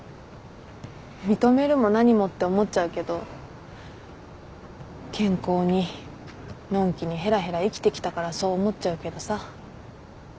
認めるも何もって思っちゃうけど健康にのんきにヘラヘラ生きてきたからそう思っちゃうけどさ。